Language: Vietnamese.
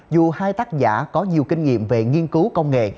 dù hai tác giả có nhiều kinh nghiệm về nghiên cứu công nghệ